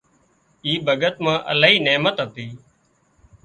اي ڀڳت مان الاهي نحمت هتي